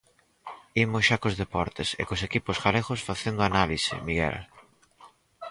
Imos xa cos deportes, e cos equipos galegos facendo análise, Miguel.